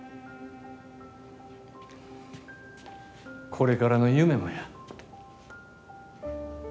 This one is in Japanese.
これからの夢もや。